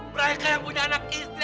mereka yang punya anak kita